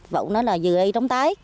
vụ đó là dư đi trong tết